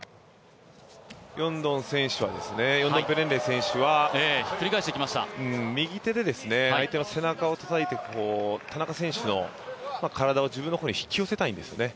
ヨンドンペレンレイ選手は右手で相手の背中をたたいてくる、田中選手の体を自分の方に引き寄せたいんですよね。